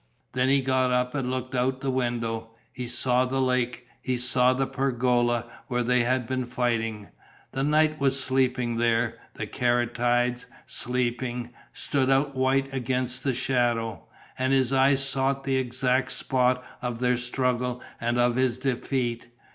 Then he got up and looked out of the window. He saw the lake. He saw the pergola, where they had been fighting. The night was sleeping there; the caryatides, sleeping, stood out white against the shadow. And his eyes sought the exact spot of their struggle and of his defeat.